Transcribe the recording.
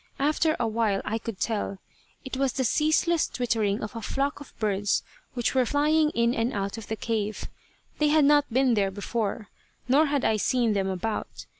After a while I could tell. It was the ceaseless twittering of a flock of birds which were flying in and out of the cave. They had not been there before, nor had I seen them about.